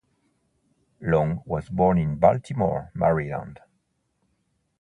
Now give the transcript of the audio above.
Long was born in Baltimore, Maryland.